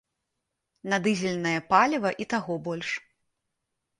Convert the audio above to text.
На дызельнае паліва і таго больш.